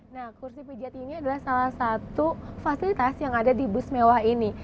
nah kursi pijat ini adalah salah satu fasilitas yang ada di bus mewah ini